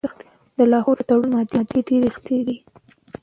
د لاهور د تړون مادې ډیرې سختې وې.